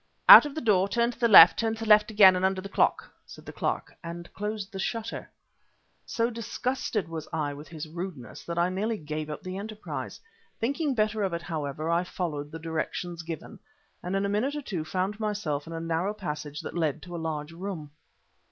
"Out of the door, turn to the left, turn to the left again and under the clock," said the clerk, and closed the shutter. So disgusted was I with his rudeness that I nearly gave up the enterprise. Thinking better of it, however, I followed the directions given, and in a minute or two found myself in a narrow passage that led to a large room.